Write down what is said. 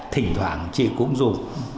thỉnh thoảng chị cũng dùng